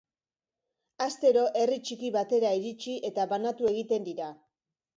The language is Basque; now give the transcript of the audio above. Astero herri txiki batera iritsi eta banatu egiten dira.